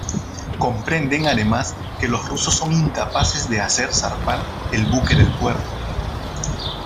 Comprenden además que los rusos son incapaces de hacer zarpar el buque del puerto.